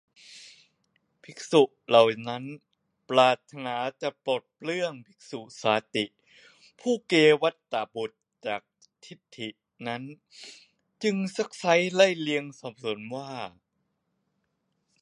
ภิกษุเหล่านั้นปรารถนาจะปลดเปลื้องภิกษุสาติ ผู้เกวัฏฏบุตรจากทิฏฐินั้นจึงซักไซ้ ไล่เลียงสอบสวนว่า